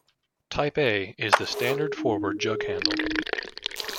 "Type A" is the standard forward jughandle.